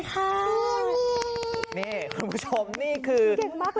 คุณผู้ชมนี่คือ